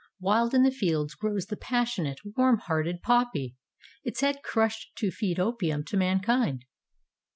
Wild in the fields grows the passionate, warm hearted poppy, its head crushed to feed opium to mankind.